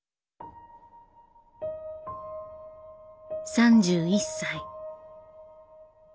３１歳。